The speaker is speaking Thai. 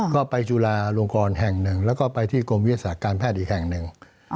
ก็ไปจุฬาลงกรแห่งหนึ่งแล้วก็ไปที่กรมวิทยาศาสตร์การแพทย์อีกแห่งหนึ่ง